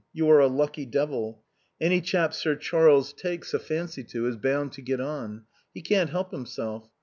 You are a lucky devil. Any chap Sir Charles takes a fancy to is bound to get on. He can't help himself.